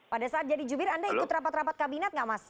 pada saat jadi jubir anda ikut rapat rapat kabinet nggak mas